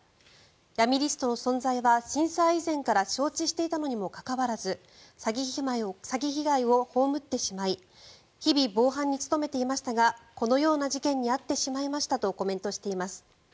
闇リストの存在は震災以前から承知していたのにもかかわらず詐欺被害を被ってしまい日々、防犯に努めていましたがこのような事件に遭ってしまいましたとコメントしています。